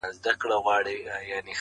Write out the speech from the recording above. ژوند له دې انګار سره پیوند لري.!